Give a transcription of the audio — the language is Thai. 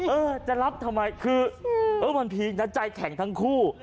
เออจะรับทำไมคือเออมันพีคนะใจแข็งทั้งคู่